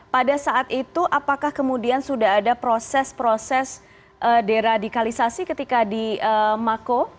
pada saat itu apakah kemudian sudah ada proses proses deradikalisasi ketika di mako